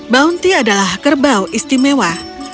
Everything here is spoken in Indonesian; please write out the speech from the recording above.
bounty adalah kerbau istimewa